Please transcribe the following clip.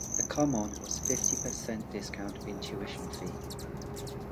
The come-on was fifty per cent discount in tuition fee.